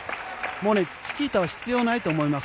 もうチキータは必要ないと思います